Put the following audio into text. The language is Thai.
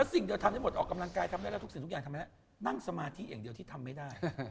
สิ่งเดียวทำได้หมดออกกำลังกายทำได้แล้วทุกสิ่งทุกอย่างทำไม่ได้นั่งสมาธิอย่างเดียวที่ทำไม่ได้